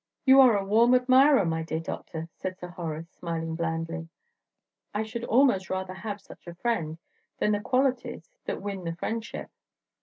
"You are a warm admirer, my dear Doctor," said Sir Horace, smiling blandly. "I should almost rather have such a friend than the qualities that win the friendship.